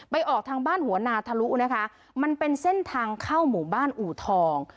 ไปออกทางบ้านหัวหนาธรุมันเป็นเส้นเข้าหมู่บ้านอูทอง